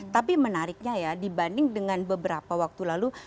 tapi menariknya ya dibanding dengan beberapa waktu lalu